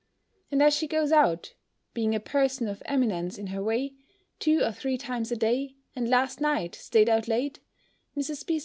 And as she goes out (being a person of eminence in her way) two or three times a day, and last night staid out late, Mrs. B.